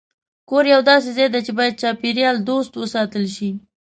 کور یو داسې ځای دی چې باید چاپېریال دوست وساتل شي.